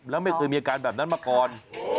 แล้วไม่เคยมีอาการแบบนั้นมาก่อน